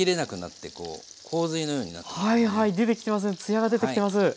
ツヤが出てきてます！